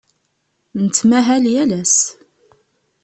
Nettmahal yal ass.